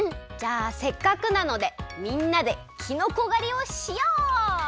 じゃあせっかくなのでみんなできのこ狩りをしよう！